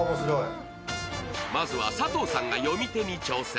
まずは佐藤さんが読み手に挑戦。